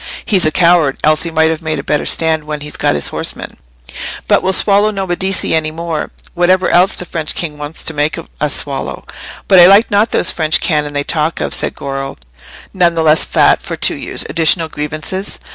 He's a coward, else he might have made a better stand when he'd got his horsemen. But we'll swallow no Medici any more, whatever else the French king wants to make us swallow." "But I like not those French cannon they talk of," said Goro, none the less fat for two years' additional grievances.